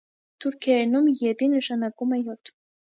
Թուրքերենում եդի նշանակում է յոթ։